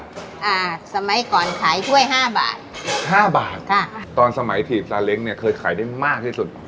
อ่าสมัยก่อนขายถ้วยห้าบาทห้าบาทค่ะตอนสมัยถีบซาเล้งเนี้ยเคยขายได้มากที่สุด